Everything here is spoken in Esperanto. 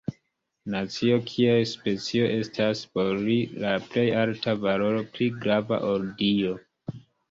Nacio kiel specio estas por li la plej alta valoro, pli grava ol Dio.